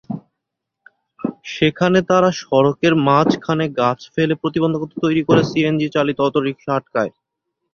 সেখানে তাঁরা সড়কের মাঝখানে গাছ ফেলে প্রতিবন্ধকতা তৈরি করে সিএনজিচালিত অটোরিকশা আটকায়।